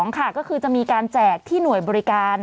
ค่ะก็คือจะมีการแจกที่หน่วยบริการ